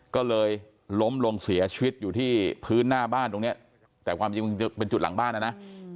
ก็เลยล้มลงเสียชีวิตอยู่ที่พื้นหน้าบ้านตรงเนี้ยแต่ความจริงเป็นจุดหลังบ้านนะนะ